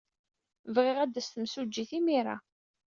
Bɣiɣ ad d-tas temsujjit imir-a.